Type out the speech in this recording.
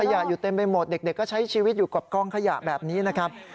อยู่เต็มไปหมดเด็กก็ใช้ชีวิตอยู่กับกองขยะแบบนี้นะครับ